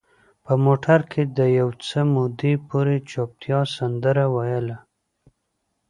په موټر کې د یو څه مودې پورې چوپتیا سندره ویله.